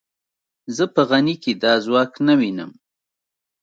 زه په غني کې دا ځواک نه وینم.